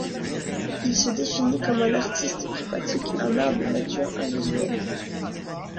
Il se définit comme un artiste qui pratique un art de nature invisuelle.